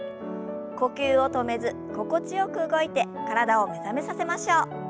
呼吸を止めず心地よく動いて体を目覚めさせましょう。